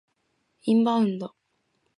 インバウンド